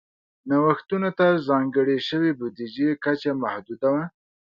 نوښتونو ته ځانګړې شوې بودیجې کچه محدوده وه.